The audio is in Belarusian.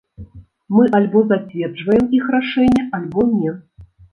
Мы альбо зацверджваем іх рашэнне, альбо не.